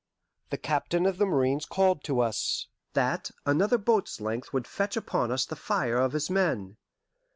The captain of the marines called to us that another boat's length would fetch upon us the fire of his men.